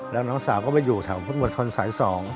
แล้วน้องสาวก็ไปอยู่แถวพุทธมนตรสาย๒